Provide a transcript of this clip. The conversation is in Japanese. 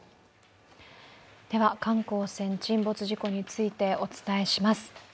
観光船沈没事故についてお伝えします。